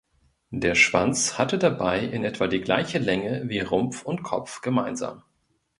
Der Schwanz hatte dabei in etwa die gleiche Länge wie Rumpf und Kopf gemeinsam.